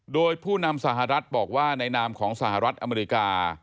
โดยผู้นำสหรัฐบอกว่าในนามของสหรัฐอเมริกา